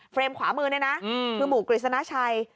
เฟรมขวามือนี่นะคือหมู่กริจสนาชัย